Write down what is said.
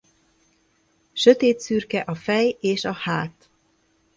Sötétszürke a fej és a hát.